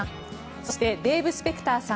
そしてデーブ・スペクターさん